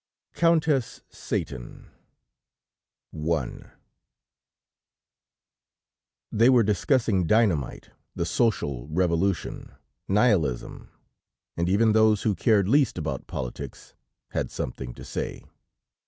COUNTESS SATAN I They were discussing dynamite, the social revolution, Nihilism, and even those who cared least about politics, had something to say.